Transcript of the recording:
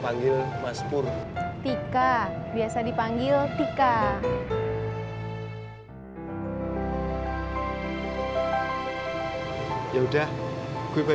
nggak tahu apa